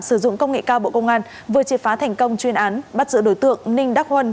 sử dụng công nghệ cao bộ công an vừa triệt phá thành công chuyên án bắt giữ đối tượng ninh đắc huân